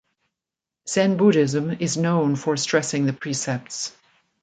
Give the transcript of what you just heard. Zen Buddhism is known for stressing the precepts.